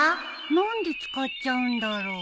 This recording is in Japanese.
何で使っちゃうんだろう